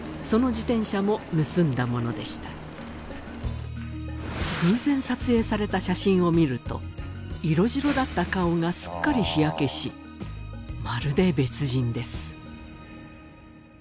その自転車も盗んだものでした偶然撮影された写真を見ると色白だった顔がすっかり日焼けしまるで別人です